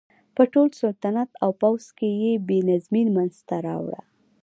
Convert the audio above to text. په ټول سلطنت او پوځ کې یې بې نظمي منځته راوړه.